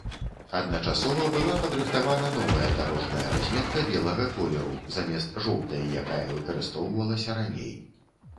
Адначасова была падрыхтавана новая дарожная разметка белага колеру замест жоўтай, якая выкарыстоўвалася раней.